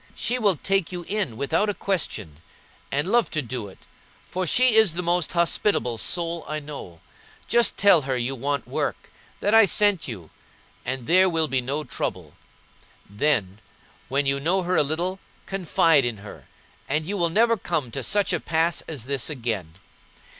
She will take you in without a question, and love to do it, for she is the most hospitable soul I know. Just tell her you want work, that I sent you, and there will be no trouble. Then, when you know her a little, confide in her, and you will never come to such a pass as this again.